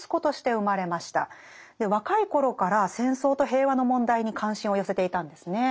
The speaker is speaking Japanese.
若い頃から戦争と平和の問題に関心を寄せていたんですね。